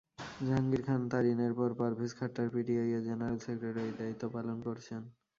জাহাঙ্গীর খান তারিনের পর পারভেজ খাট্টার পিটিআইয়ের জেনারেল সেক্রেটারির দায়িত্ব পালন করছেন।